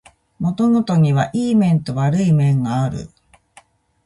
物事にはいい面と悪い面がある